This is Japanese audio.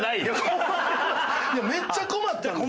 いやめっちゃ困ってたんです。